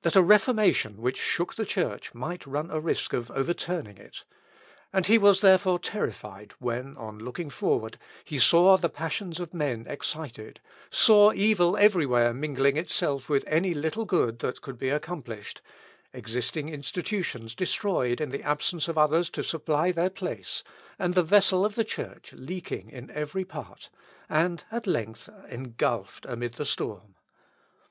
that a Reformation which shook the Church might run a risk of overturning it; and he was therefore terrified when, on looking forward, he saw the passions of men excited, saw evil everywhere mingling itself with any little good that could be accomplished, existing institutions destroyed in the absence of others to supply their place, and the vessel of the Church leaking in every part, and at length engulfed amid the storm.